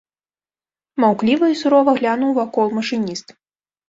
Маўкліва і сурова глянуў вакол машыніст.